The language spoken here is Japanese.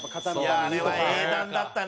あれは英断だったね。